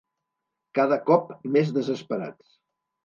Cada cop més desesperats.